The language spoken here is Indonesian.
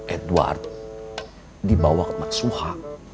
edward dibawa ke matsuha